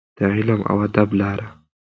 د علم او ادب لاره.